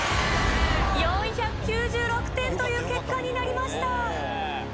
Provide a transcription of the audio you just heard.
４９６点という結果になりました。